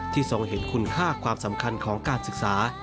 ทรงเห็นคุณค่าความสำคัญของการศึกษา